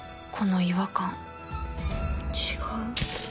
この違和感違う。